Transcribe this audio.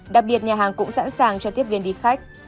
đặc biệt nhà hàng cũng sẵn sàng cho tiếp viên đi khách